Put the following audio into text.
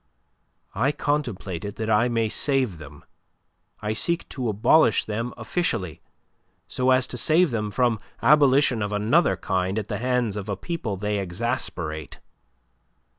"I contemplate it that I may save them. I seek to abolish them officially, so as to save them from abolition of another kind at the hands of a people they exasperate."